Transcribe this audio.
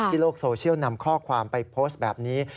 โลกโซเชียลนำข้อความไปโพสต์แบบนี้